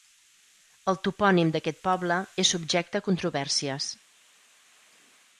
El topònim d'aquest poble és subjecte a controvèrsies.